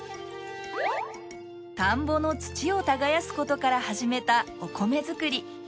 田んぼの土を耕すことから始めたお米作り。